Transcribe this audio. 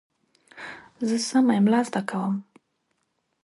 زه سمه املا زده کوم.